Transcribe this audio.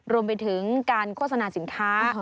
รวมไปถึงการโฆษณาสินค้า